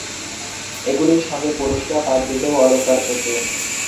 এগুলির সঙ্গে পুরুষরা পাগড়িতেও অলঙ্কার পরত।